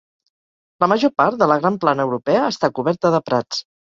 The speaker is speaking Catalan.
La major part de la gran plana europea està coberta de prats.